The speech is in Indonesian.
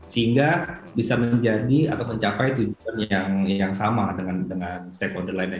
sehingga bisa menjadi atau mencapai tujuan yang sama dengan stakeholder lainnya